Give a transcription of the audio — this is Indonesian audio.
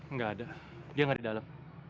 nggak ada dia nggak di dalam